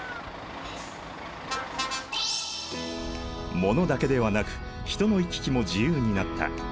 物だけではなく人の行き来も自由になった。